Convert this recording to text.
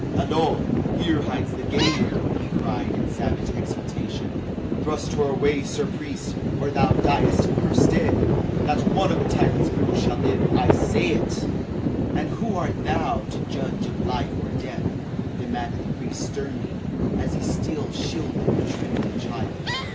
"Hollo! Here hides the game!" he cried in savage exultation. "Thrust her away, Sir Priest, or thou diest in her stead. Not one of the tyrant's brood shall live. I say it!" "And who art thou to judge of life or death?" demanded the priest sternly, as he still shielded the trembling child.